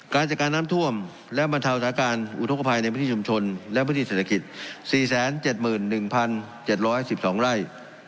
การจัดการน้ำท่วมและบรรเทาสถานการณ์อุทธกภัยในพื้นที่ชุมชนและพื้นที่เศรษฐกิจ๔๗๑๗๑๒ไร่